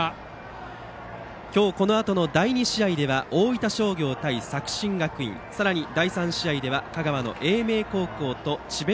このあと第２試合は大分商業対作新学院第３試合では香川の英明高校と智弁